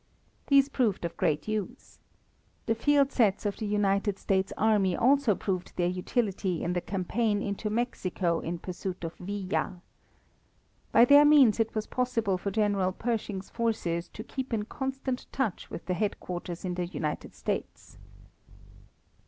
These proved of great use. The field sets of the United States Army also proved their utility in the campaign into Mexico in pursuit of Villa. By their means it was possible for General Pershing's forces to keep in constant touch with the headquarters in the United States.